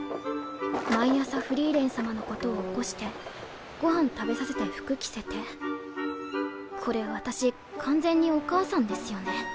毎朝フリーレン様のことを起こしてごはん食べさせて服着せてこれ私完全にお母さんですよね。